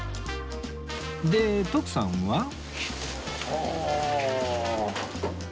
で徳さんは